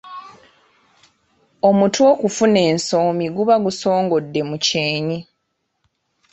Omutwe okufuna ensomi guba gusongodde mu kyennyi.